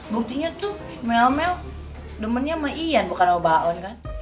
buktinya tuh mel mel demennya sama ian bukan obaon kan